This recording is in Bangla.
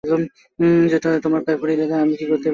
তোমার পায়ে পড়ি দাদা, বলো, আমি কী করতে পারি।